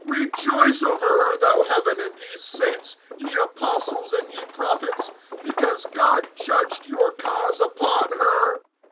(20)Rejoice over her, thou heaven, and ye saints, ye apostles, and ye prophets; because God judged your cause upon her.